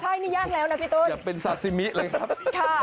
ใช่นี่ยากแล้วนะพี่ต้น